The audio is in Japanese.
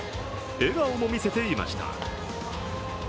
笑顔も見せていました。